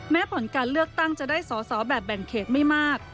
ผลการเลือกตั้งจะได้สอสอแบบแบ่งเขตไม่มาก